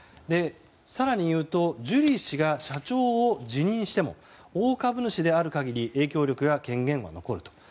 更に言うとジュリー氏が社長を辞任しても大株主である限り影響力や権限は残ると。